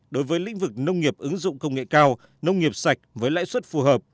đối với lĩnh vực nông nghiệp ứng dụng công nghệ cao nông nghiệp sạch với lãi suất phù hợp